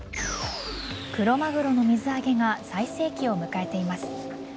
クロマグロの水揚げが最盛期を迎えています。